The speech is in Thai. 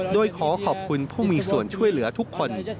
โดยขอขอบคุณผู้มีส่วนช่วยเหลือทุกคน